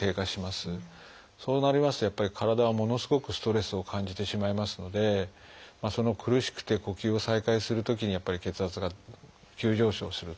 そうなりますとやっぱり体はものすごくストレスを感じてしまいますので苦しくて呼吸を再開するときに血圧が急上昇するということですね。